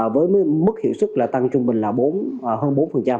với mức hiệu xuất tăng trung bình là hơn bốn